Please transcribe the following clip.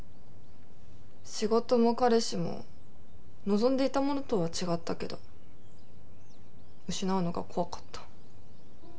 仕事も彼氏も望んでいたものとは違ったけど失うのが怖かった。